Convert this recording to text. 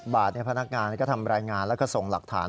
บาทพนักงานก็ทำรายงานแล้วก็ส่งหลักฐาน